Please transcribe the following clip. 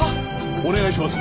お願いします。